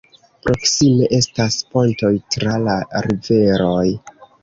Proksime estas pontoj tra la riveroj.